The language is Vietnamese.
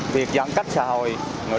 việc giãn cách xã hội